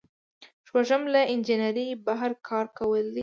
شپږم له انجنیری بهر کار کول دي.